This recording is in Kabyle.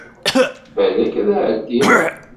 Balak, ad ɛeddiɣ!